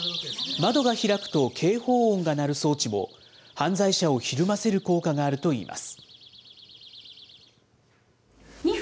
窓が開くと警報音が鳴る装置も、犯罪者をひるませる効果があるといいます。